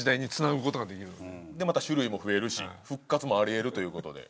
でまた種類も増えるし復活もあり得るという事で。